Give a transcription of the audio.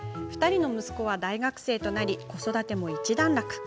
２人の息子は大学生となり子育ても一段落。